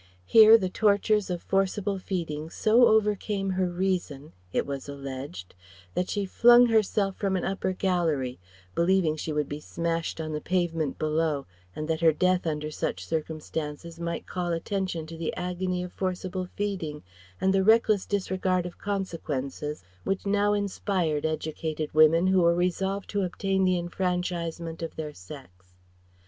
Here the tortures of forcible feeding so overcame her reason it was alleged that she flung herself from an upper gallery, believing she would be smashed on the pavement below and that her death under such circumstances might call attention to the agony of forcible feeding and the reckless disregard of consequences which now inspired educated women who were resolved to obtain the enfranchisement of their sex.